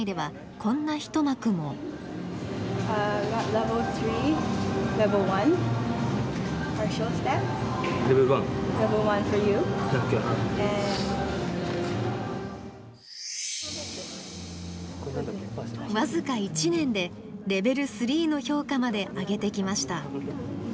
僅か１年でレベル３の評価まで上げてきました。